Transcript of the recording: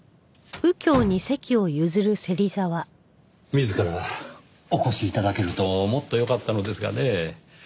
自らお越し頂けるともっとよかったのですがねぇ。